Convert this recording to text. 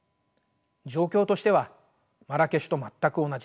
状況としてはマラケシュと全く同じです。